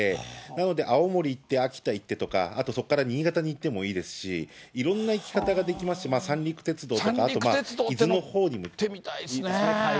なので、青森行って秋田行ってとか、あとそこから新潟に行ってもいいですし、いろんな行き方ができますし、三陸鉄道とか、あとまあ、伊豆のほ行ってみたいですね。